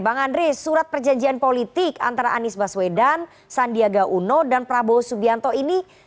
bang andre surat perjanjian politik antara anies baswedan sandiaga uno dan prabowo subianto ini